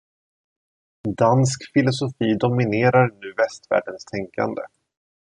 Dansk filosofi dominerar nu västvärldens tänkande